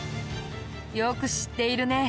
よく知っているね。